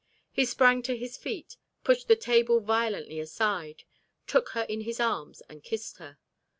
He sprang to his feet, pushed the table violently aside, took her in his arms and kissed her.